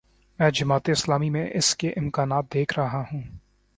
میں جماعت اسلامی میں اس کے امکانات دیکھ رہا ہوں۔